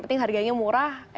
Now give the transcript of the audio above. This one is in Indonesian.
ni kita udah mulut lagi lah ya